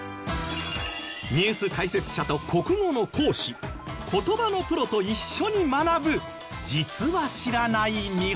ニュース解説者と国語の講師言葉のプロと一緒に学ぶ